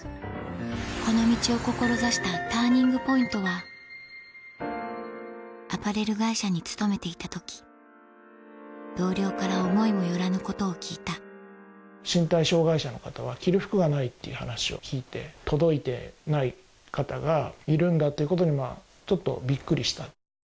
この道を志したＴＵＲＮＩＮＧＰＯＩＮＴはアパレル会社に勤めていた時同僚から思いも寄らぬことを聞いた身体障がい者の方は着る服がないっていう話を聞いて届いてない方がいるんだっていうことにちょっとびっくりした。